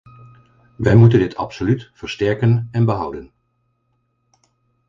We moeten dit absoluut versterken en behouden.